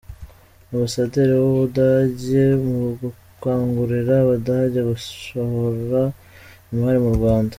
Ambasaderi w’u Budage mu gukangurira Abadage gushora imari mu Rwanda